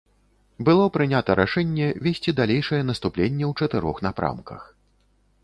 Было прынята рашэнне весці далейшае наступленне ў чатырох напрамках.